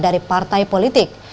untuk partai politik